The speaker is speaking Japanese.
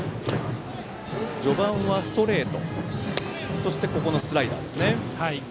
序盤はストレートそして、スライダーですね。